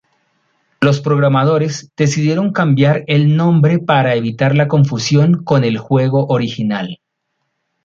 Los programadores decidieron cambiar el nombre para evitar la confusión con el juego original.